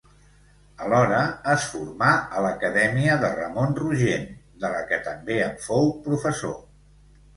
Alhora es formà a l'acadèmia de Ramon Rogent de la que també en fou professor.